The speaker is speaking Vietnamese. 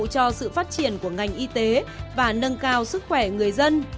cho sự phát triển của ngành y tế và nâng cao sức khỏe người dân